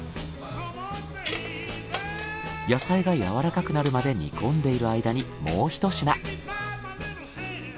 野菜が柔らかくなるまで煮込んでいる間にもうひと品。